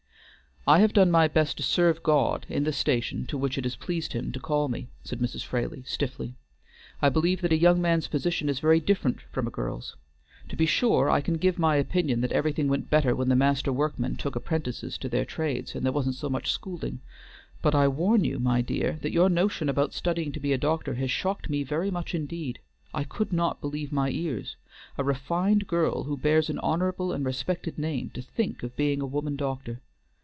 "I have done my best to serve God in the station to which it has pleased Him to call me," said Mrs. Fraley, stiffly. "I believe that a young man's position is very different from a girl's. To be sure, I can give my opinion that everything went better when the master workmen took apprentices to their trades, and there wasn't so much schooling. But I warn you, my dear, that your notion about studying to be a doctor has shocked me very much indeed. I could not believe my ears, a refined girl who bears an honorable and respected name to think of being a woman doctor!